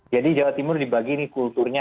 jadi jawa timur dibagi ini kulturnya